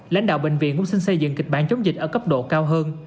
lãnh đạo bệnh viện cũng xin xây dựng kịch bản chống dịch ở cấp độ cao hơn